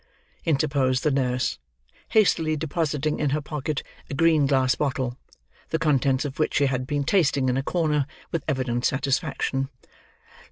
interposed the nurse, hastily depositing in her pocket a green glass bottle, the contents of which she had been tasting in a corner with evident satisfaction.